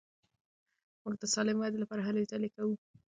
مور د سالمې ودې لپاره هلې ځلې کوي.